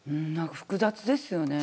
複雑ですよね。